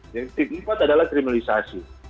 yang ketiga adalah kriminalisasi